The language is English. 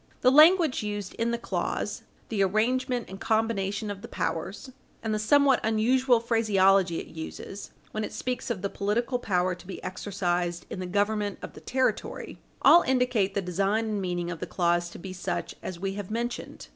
The language used in the clause, the arrangement and combination of the powers, and the somewhat unusual phraseology it uses when it speaks of the political power to be exercised in the government of the territory, all indicate the design and meaning of the clause to be such as we have mentioned.